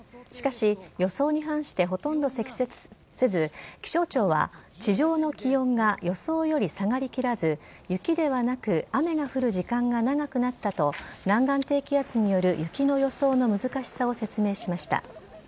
しかし、予想に反してほとんど積雪せず、気象庁は地上の気温が予想より下がりきらず雪ではなく雨が降る時間が長くなったと、南岸低気圧による雪の予想の難しさを説明しました。